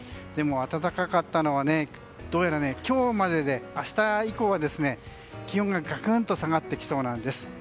でも暖かかったのはどうやら今日までで明日以降は気温がガクンと下がってきそうなんです。